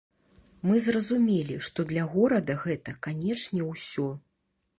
Мы зразумелі што для горада гэта, канечне, усё.